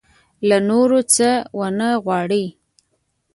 له نورو څه ونه وغواړي.